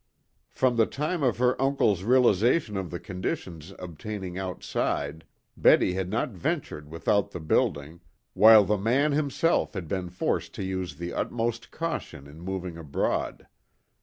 From the time of her uncle's realization of the conditions obtaining outside Betty had not ventured without the building, while the man himself had been forced to use the utmost caution in moving abroad.